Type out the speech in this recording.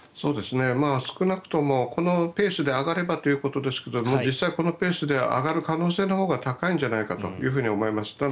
少なくとも、このペースで上がればということですが実際、このペースで上がる可能性のほうが高いんじゃないかと思います。